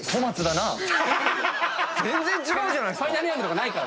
全然違うじゃないですか！